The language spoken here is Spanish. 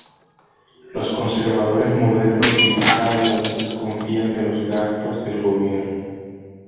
Los conservadores modernos fiscal aún desconfían de los gastos del gobierno.